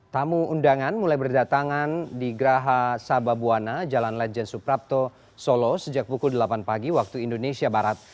tamu undangan mulai berdatangan di geraha sababwana jalan lejen suprapto solo sejak pukul delapan pagi waktu indonesia barat